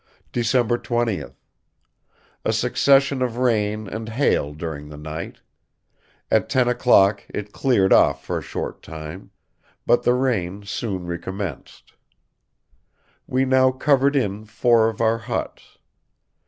"December 20th. A succession of rain and hail during the night. At 10 o'clock it cleared off for a short time, but the rain soon recommenced. We now covered in four of our huts.